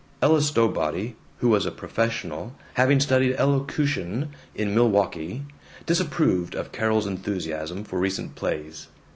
Ella Stowbody, who was a professional, having studied elocution in Milwaukee, disapproved of Carol's enthusiasm for recent plays.